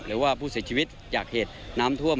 หรือว่าผู้เสียชีวิตจากเหตุน้ำท่วม